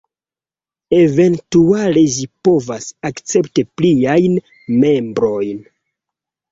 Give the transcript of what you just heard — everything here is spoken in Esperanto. Eventuale ĝi povas akcepti pliajn membrojn.